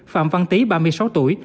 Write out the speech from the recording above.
phạm văn tý ba mươi sáu tuổi